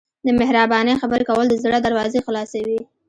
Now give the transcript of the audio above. د مهربانۍ خبرې کول د زړه دروازې خلاصوي.